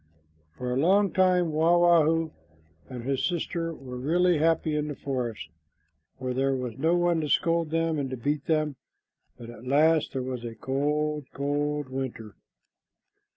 For a long time Wah wah hoo and his sister were really happy in the forest, for there was no one to scold them and to beat them, but at last there was a cold, cold winter.